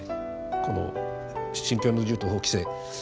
この「信教の自由」と法規制